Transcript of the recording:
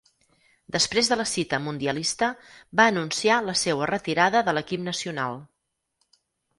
Després de la cita mundialista, va anunciar la seua retirada de l'equip nacional.